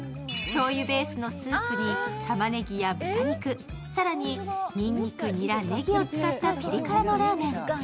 しょうゆベースのスープにたまねぎや豚肉、更ににんにく、にら、ねぎを使ったピリ辛のラーメン。